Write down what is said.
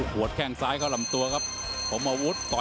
หนักแรง